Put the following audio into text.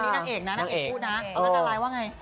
นี่นางเอกนะนางเอกคู่นะแล้วทาร้ายว่าไง